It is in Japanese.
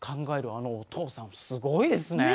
あのお父さんすごいですね。